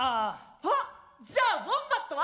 あっじゃあウォンバットは？